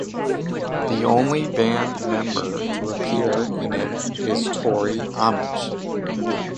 The only band member to appear in it is Tori Amos.